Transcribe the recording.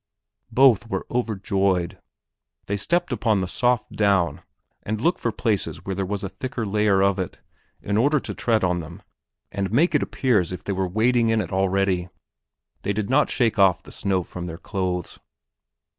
Both were overjoyed. They stepped upon the soft down, and looked for places where there was a thicker layer of it, in order to tread on them and make it appear as if they were wading in it already. They did not shake off the snow from their clothes.